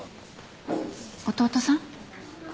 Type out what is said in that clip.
弟さん？